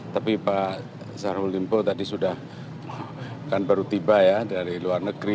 tapi pak syahrul limpo tadi sudah kan baru tiba ya dari luar negeri